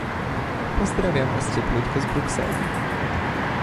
Pozdrawiam was cieplutko z Brukseli.